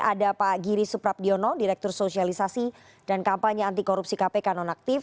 ada pak giri suprabdiono direktur sosialisasi dan kampanye anti korupsi kpk nonaktif